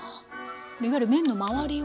いわゆる麺の周りを。